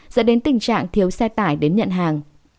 dẫn đến tình trạng thiếu xe tải đến nhận hàng